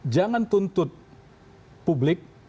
jangan tuntut publik